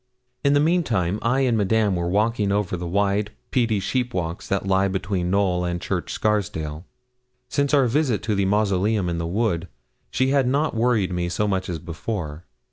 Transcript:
In the mean time, I and Madame were walking over the wide, peaty sheep walks that lie between Knowl and Church Scarsdale. Since our visit to the mausoleum in the wood, she had not worried me so much as before.